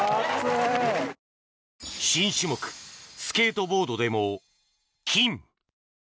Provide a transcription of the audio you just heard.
新種目、スケートボードでも金。